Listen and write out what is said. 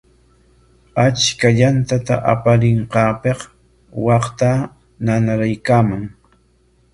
Achka yantata aparinqaapik waqtaa nanaykaaman.